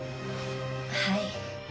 はい。